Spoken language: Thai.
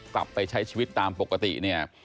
กลับไปใช้ชีวิตตามปกติเนี่ย